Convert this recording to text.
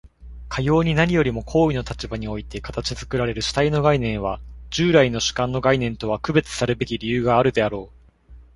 かように何よりも行為の立場において形作られる主体の概念は、従来の主観の概念とは区別さるべき理由があるであろう。